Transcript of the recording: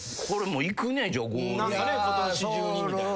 これもういくねゴール。